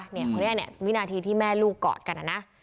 เพราะว่ามันวินาทีที่แม่ลูกกอดกันอะนะ